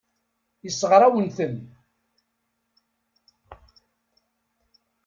Yessṛeɣ-awen-ten.